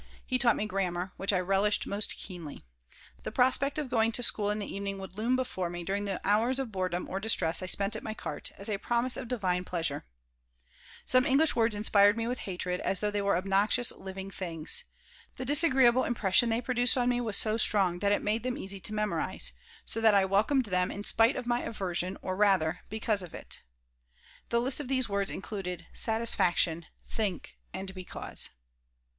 He taught me grammar, which I relished most keenly. The prospect of going to school in the evening would loom before me, during the hours of boredom or distress I spent at my cart, as a promise of divine pleasure Some English words inspired me with hatred, as though they were obnoxious living things. The disagreeable impression they produced on me was so strong that it made them easy to memorize, so that I welcomed them in spite of my aversion or, rather, because of it. The list of these words included "satisfaction," "think," and "because."